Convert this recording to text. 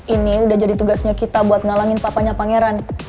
ini udah jadi tugasnya kita buat ngalangin papanya pangeran